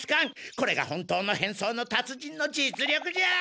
これが本当の変装のたつ人の実力じゃ！